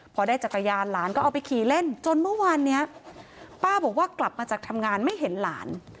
พอได้จักรยานหลานก็เอาไปขี่เล่นจนเมื่อวานเนี้ยป้าบอกว่ากลับมาจากทำงานไม่เห็นหลาน